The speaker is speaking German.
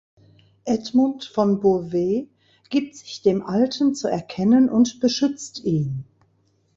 Edmund von Beauvais gibt sich dem Alten zu erkennen und beschützt ihn.